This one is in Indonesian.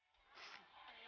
ini adalah masa yang bahaya